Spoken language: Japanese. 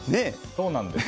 そうなんです。